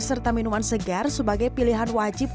serta minuman segar sebagai pilihan wajib